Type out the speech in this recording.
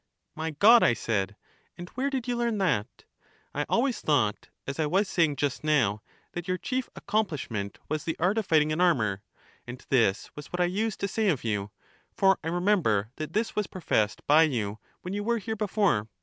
My God! I said, and where did you learn that? I always thought, as I was saying just now, that your chief accomplishment was the art of fighting in armor ; and this was what I used to say of you, for I remem ber that this was professed by you when you were here before.